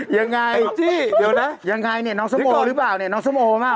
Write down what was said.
ยังไงยังไงน้องสมโหหรือเปล่าน้องสมโหหรือเปล่า